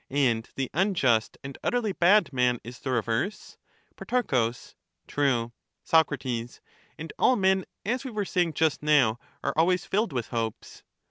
And the unjust and utterly bad man is the reverse? 40 Pro. True. Soc. And all men, as we were saying just now, are always filled with hopes